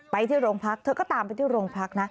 ไปที่โรงพักเธอก็ตามไปที่โรงพักนะ